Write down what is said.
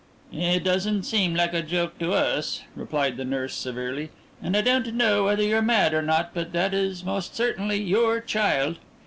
"It doesn't seem like a joke to us," replied the nurse severely. "And I don't know whether you're mad or not but that is most certainly your child."